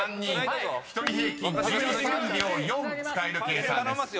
［１人平均１３秒４使える計算です］